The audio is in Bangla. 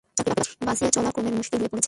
চাকরি বাঁচিয়ে চলা ক্রমেই মুশকিল হয়ে পড়ছে।